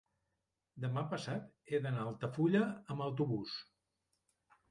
demà passat he d'anar a Altafulla amb autobús.